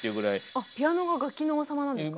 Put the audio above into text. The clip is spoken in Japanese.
あピアノが楽器の王様なんですか？